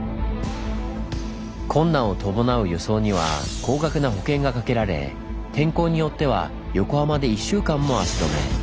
困難を伴う輸送には高額な保険がかけられ天候によっては横浜で１週間も足止め。